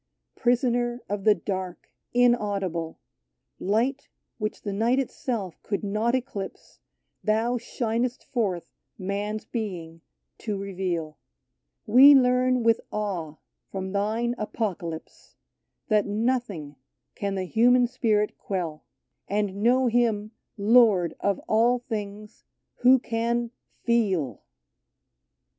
Prisoner of the dark, inaudible — Light, which the night itself could not eclipse, Thou shinest forth Man's being to reveal. 45 TO HELEN KELLER We learn with awe from thine apocalypse, That nothing can the human spirit quell, And know him lord of all things, who can feel!